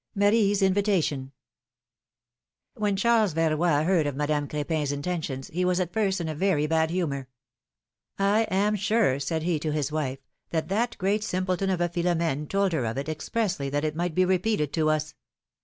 marie's invitatioit. "rTT^HEN Charles Verroy heard of Madame Cr4pin's V V intentions, he was at first in a very bad humor, am siire/^ said he, to his wife, ^Hhat that great simpleton of a Philornene told her of it, expressly that it might be repeated to us